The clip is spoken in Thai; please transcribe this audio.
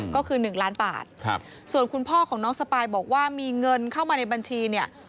ก็คือ๑ล้านบาทส่วนคุณพ่อของน้องสปายบอกว่ามีเงินเข้ามาในบัญชีเนี่ย